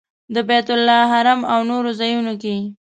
د بیت الله حرم او نورو ځایونو کې.